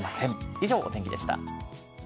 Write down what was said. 以上、お天気でした。